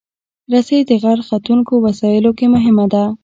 رسۍ د غر ختونکو وسایلو کې مهمه ده.